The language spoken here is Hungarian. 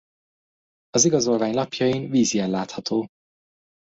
Az igazolvány lapjain vízjel látható.